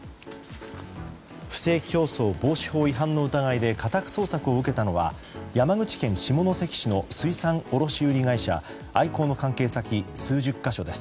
不正競争防止法違反の疑いで家宅捜索を受けたのは山口県下関市の水産卸売会社アイコーの関係先数十か所です。